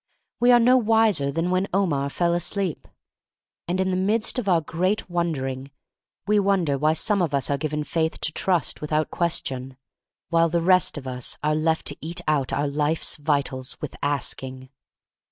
We are "no wiser than when Omar fell asleep." And in the midst of our great won THE STORY OF MARY MAC LANE 5 1 dering, we wonder why some of us are given faith to trust without question, while the rest of us are left to eat out our life's vitals with asking.